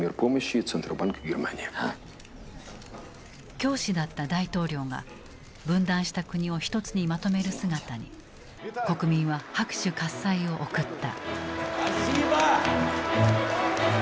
教師だった大統領が分断した国を一つにまとめる姿に国民は拍手喝采を送った。